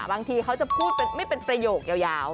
บางทีเขาจะพูดไม่เป็นประโยคยาว